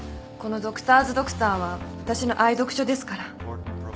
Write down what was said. この『ドクターズ・ドクター』は私の愛読書ですから。